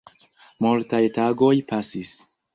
Multaj tagoj pasis.